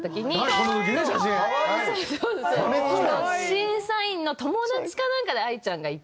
審査員の友達かなんかでＡＩちゃんがいて。